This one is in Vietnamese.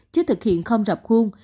chứ thực hiện không rập khuôn